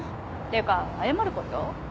ていうか謝ること？